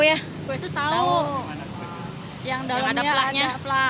tahu tidak asalnya dari negara mana